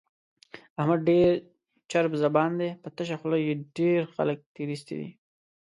احمد ډېر چرب زبان دی، په تشه خوله یې ډېر خلک تېر ایستلي دي.